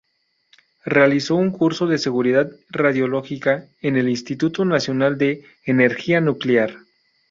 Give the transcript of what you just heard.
Realizó un curso de seguridad radiológica, en el Instituto Nacional de Energía Nuclear.